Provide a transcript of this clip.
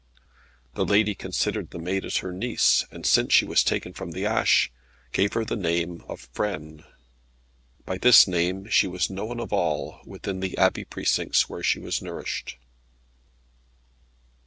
The lady considered the maid as her niece, and since she was taken from the ash, gave her the name of Frêne. By this name she was known of all, within the Abbey precincts, where she was nourished.